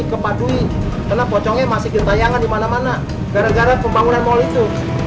kepadui karena pocongnya masih ditayangkan di mana mana gara gara pembangunan mal itu